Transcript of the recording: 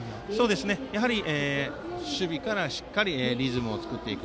やはり守備からしっかりリズムを作っていく。